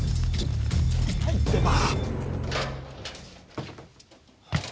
い痛いってば！